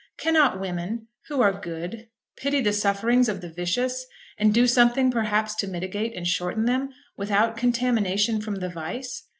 Cannot women, who are good, pity the sufferings of the vicious, and do something perhaps to mitigate and shorten them, without contamination from the vice?